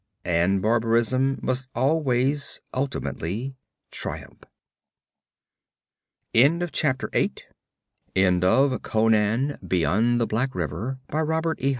And barbarism must always ultimately triumph.' End of Project Gutenberg's Beyond the Black River, by Robert E.